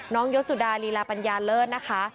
ยศุดาลีลาปัญญาเลิศนะคะ